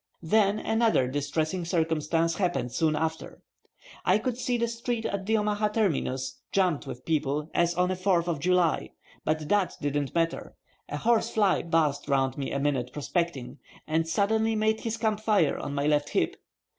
Then another distressing circumstance happened soon after. I could see the street at the Omaha terminus jammed with people as on a Fourth of July, but that didn't matter; a horse fly buzzed around me a minute prospecting, and suddenly made his camp fire on my left hip.